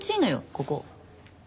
ここ。